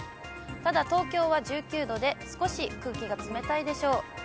ただ東京は１９度で、少し空気が冷たいでしょう。